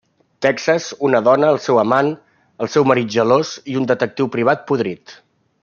Texas, una dona, el seu amant, el seu marit gelós i un detectiu privat podrit.